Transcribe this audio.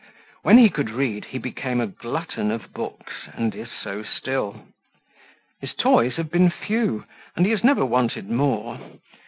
When he could read, he became a glutton of books, and is so still. His toys have been few, and he has never wanted more.